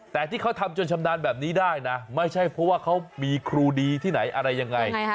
แต่ที่เขาทำจนชำนาญแบบนี้ได้นะไม่ใช่เพราะว่าเขามีครูดีที่ไหนอะไรยังไง